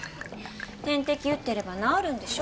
点滴打ってれば治るんでしょ？